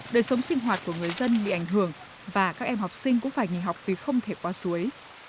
đời sống sinh hoạt của người dân bị ảnh hưởng và các em học sinh cũng phải nghỉ học vì không thể qua suối